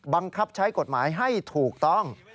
บังคับใช้กฎหมายให้ถูกต้อง